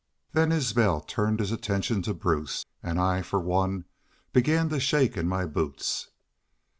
"Then Isbel turned his attention to Bruce an' I fer one begun to shake in my boots.